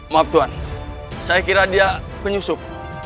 maaf tuhan saya kira dia penyusup